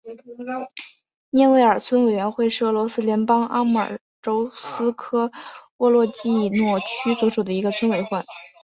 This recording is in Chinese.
涅韦尔村委员会是俄罗斯联邦阿穆尔州斯科沃罗季诺区所属的一个村委员会。